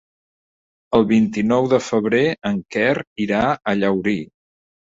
El vint-i-nou de febrer en Quer irà a Llaurí.